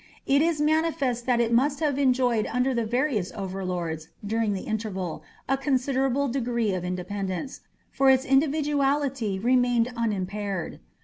It is manifest that it must have enjoyed under the various overlords, during the interval, a considerable degree of independence, for its individuality remained unimpaired.